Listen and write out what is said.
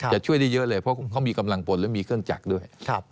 จะช่วยได้เยอะเลยเพราะเขามีกำลังปนและมีเครื่องจักรด้วย